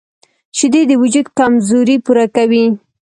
شیدې د وجود کمزوري پوره کوي